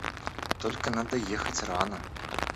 Только надо ехать рано.